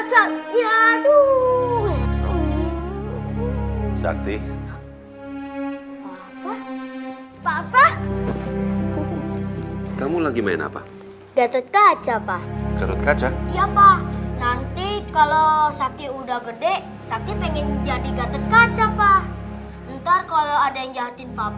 satu satunya yang aku punya